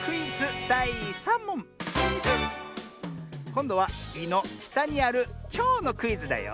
こんどは「い」のしたにあるちょうのクイズだよ。